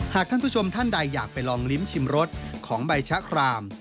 ท่านผู้ชมท่านใดอยากไปลองลิ้มชิมรสของใบชะคราม